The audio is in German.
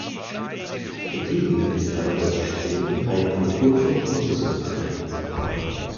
Geblieben ist aber das Bestreben, eine Kultur von unten zu betreiben.